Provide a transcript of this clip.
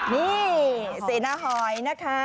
นี่เสนาหอยนะคะ